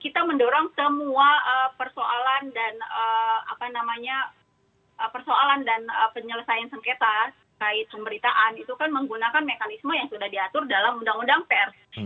kita mendorong semua persoalan dan persoalan dan penyelesaian sengketa kait pemberitaan itu kan menggunakan mekanisme yang sudah diatur dalam undang undang pers